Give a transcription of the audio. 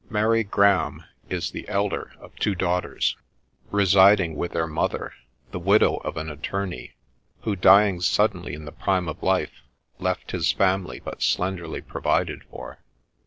Mary Graham is the elder of two daughters, residing with their mother, the widow of an attorney, who, dying suddenly in the prime of life, left his family but slenderly provided for.